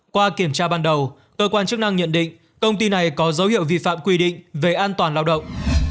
qua kiểm tra ban đầu cơ quan chức năng nhận định công ty này có dấu hiệu vi phạm quy định về an toàn lao động